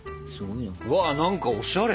うわ何かおしゃれ！